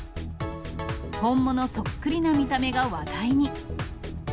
本物そっくりな見た目が話題に。